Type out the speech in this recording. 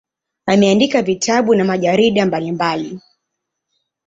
Ameandika vitabu na majarida mbalimbali.